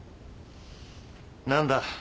何だ？